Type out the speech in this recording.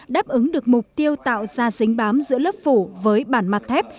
đáp ứng được mục tiêu tạo ra dính bám giữa lớp phủ với bản mặt thép